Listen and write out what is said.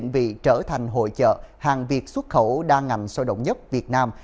bị trở thành hội trợ hàng việc xuất khẩu đa ngành sôi động nhất việt nam